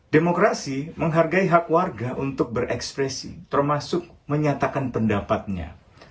demokrasi menghargai hak warga untuk berekspresi termasuk menyatakan pendapatnya